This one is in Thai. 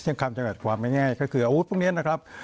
ยังคำจะแก่ความง่ายก็คืออาวุธพวกนี้นะครับ